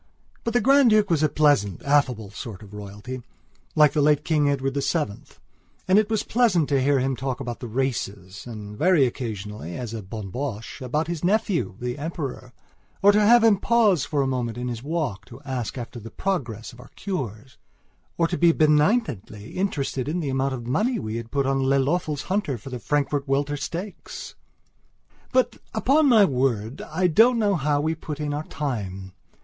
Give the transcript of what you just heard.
But the Grand Duke was a pleasant, affable sort of royalty, like the late King Edward VII, and it was pleasant to hear him talk about the races and, very occasionally, as a bonne bouche, about his nephew, the Emperor; or to have him pause for a moment in his walk to ask after the progress of our cures or to be benignantly interested in the amount of money we had put on Lelöffel's hunter for the Frankfurt Welter Stakes. But upon my word, I don't know how we put in our time.